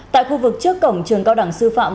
tại khu vực trước cổng trường cao đẳng sư phạm